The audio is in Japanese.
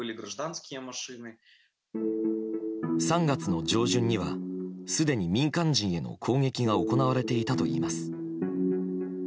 ３月の上旬にはすでに民間人への攻撃が行われていたといいます。